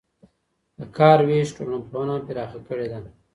د کار وېش ټولنپوهنه پراخه کړې ده.